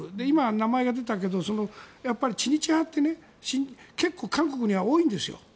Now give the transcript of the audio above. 今、名前が出たけど知日派って結構、韓国には多いんですよ。